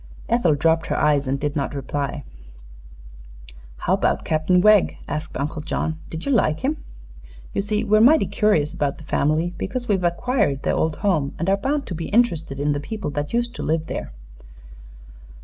Ethel dropped her eyes and did not reply. "How about Cap'n Wegg?" asked Uncle John. "Did you like him? You see, we're mighty curious about the family, because we've acquired their old home, and are bound to be interested in the people that used to live there."